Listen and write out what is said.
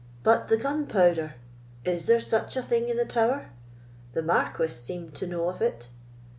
"But the gunpowder—is there such a thing in the tower? The Marquis seemed to know of it."